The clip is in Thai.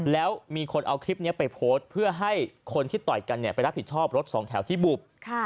แล้วมีคนเอาคลิปนี้ไปโพสต์เพื่อให้คนที่ต่อยกันไปรับผิดชอบรถสองแถวที่บุบ